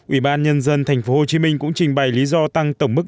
ủy ban nhân dân tp hcm cũng trình bày lý do tăng tổng mức